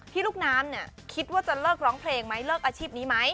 ลูกน้ำเนี่ยคิดว่าจะเลิกร้องเพลงไหมเลิกอาชีพนี้ไหม